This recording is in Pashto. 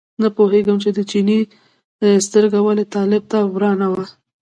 نه پوهېږم چې د چیني سترګه ولې طالب ته ورانه وه.